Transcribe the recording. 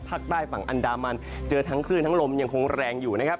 ภาคใต้ฝั่งอันดามันเจอทั้งคลื่นทั้งลมยังคงแรงอยู่นะครับ